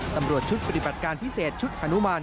ตำรวจชุดปฏิบัติการพิเศษชุดฮานุมาน